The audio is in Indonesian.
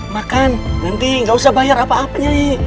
makan nanti gak usah bayar apa apa nyai